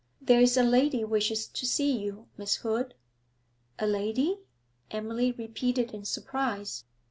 'There's a lady wishes to see you, Miss Hood.' 'A lady?' Emily repeated in surprise.